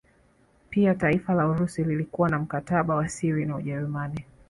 Pia taifa la Urusi lilikuwa na mkataba wa siri na Ujerumani